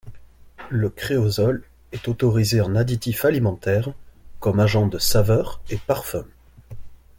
Le créosol est autorisé en additif alimentaire, comme agent de saveur et parfum.